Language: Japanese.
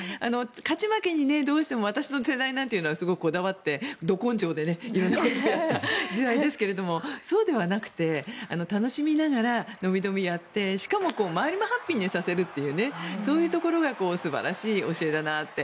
勝ち負けにどうしても私の世代というのはすごくこだわってど根性で色んなことをやった時代ですがそうではなくて楽しみながら伸び伸びやってしかも周りもハッピーにさせるというそういうところが素晴らしい教えだなって。